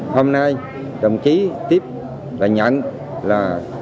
hôm nay đồng chí tiếp và nhận là